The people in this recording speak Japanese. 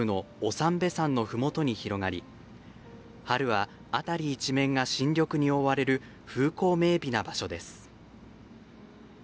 三瓶山のふもとに広がり春は辺り一面が新緑に覆われる風光明美な場所です。